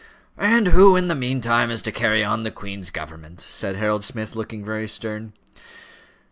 "And who in the meantime is to carry on the Queen's government?" said Harold Smith, looking very stern.